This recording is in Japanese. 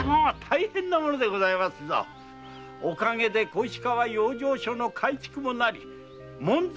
おかげで小石川養生所の改築も成り門前